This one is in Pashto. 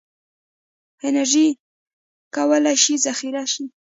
انرژي کولی شي ذخیره شي.